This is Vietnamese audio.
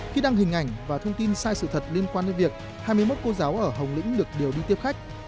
khi đăng hình ảnh và thông tin sai sự thật liên quan đến việc hai mươi một cô giáo ở hồng lĩnh được điều đi tiếp khách